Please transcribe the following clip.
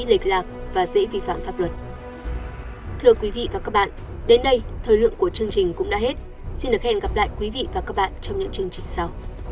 hẹn gặp lại các bạn trong những video tiếp theo